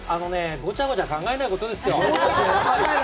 ごちゃごちゃ考えないことです。